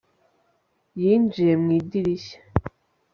yinjiye mu idirishya